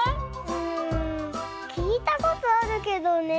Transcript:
うんきいたことあるけどね。